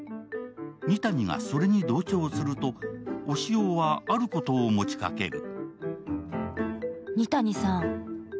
二谷がそれに同調すると押尾はあることを持ちかける。